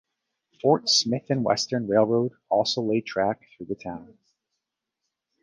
Fort Smith and Western Railroad also laid track through the town.